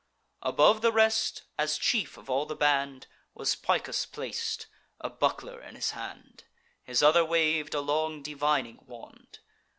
Above the rest, as chief of all the band, Was Picus plac'd, a buckler in his hand; His other wav'd a long divining wand.